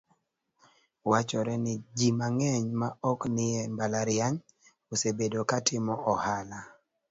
Wachore ni ji mang'eny ma ok nie mbalariany, osebedo ka timo ohala